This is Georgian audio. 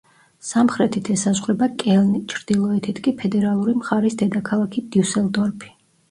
სამხრეთით ესაზღვრება კელნი, ჩრდილოეთით კი ფედერალური მხარის დედაქალაქი დიუსელდორფი.